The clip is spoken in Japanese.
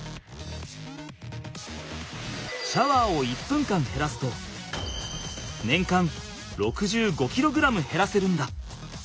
シャワーを１分間減らすと年間６５ｋｇ減らせるんだ！